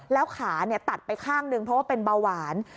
แล้วขาตัดไปข้างหนึ่งเพราะว่าเป็นเบาหวาน